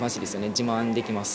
自慢できます。